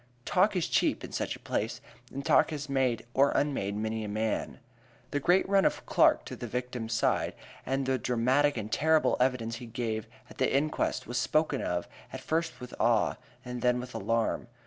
Talk is cheap in such a place, and talk has made or unmade many a man. The great run of Clark to the victim's side and the dramatic and terrible evidence he gave at the inquest was spoken of at first with awe, and then with alarm.